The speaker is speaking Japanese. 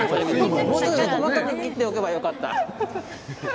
細かく切っておけばよかった。